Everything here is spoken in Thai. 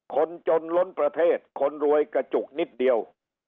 คนจนล้นประเทศคนรวยกระจุกนิดเดียว